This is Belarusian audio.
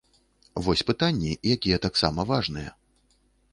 Вось пытанні, якія таксама важныя.